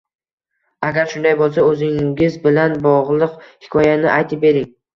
Agar shunday bo‘lsa, o'zingiz bilan bog'liq hikoyani aytib bering.